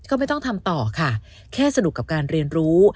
ก็ไม่ต้องทำต่อค่ะแค่สนุกกับการเรียนรู้